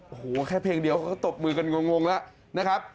โอ้โหแค่เพลงเดียวเขาก็ตบมือกันงงแล้วนะครับ